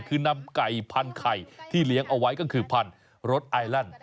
คือนำไก่พันไข่ที่เลี้ยงเอาไว้ก็คือพันธุ์รสไอแลนด์